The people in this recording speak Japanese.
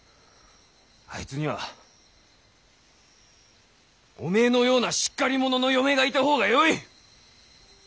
あいつにはおめえのようなしっかりものの嫁がいた方がよい。